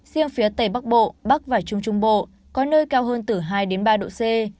riêng phía tây bắc bộ bắc và trung trung bộ có nơi cao hơn từ hai đến ba độ c